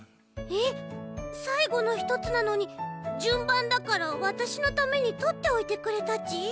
えっさいごの１つなのにじゅんばんだからわたしのためにとっておいてくれたち？